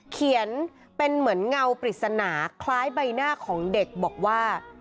เขียนเป็นเหมือนเงาปริศนาคล้ายใบหน้าของเด็กบอกว่า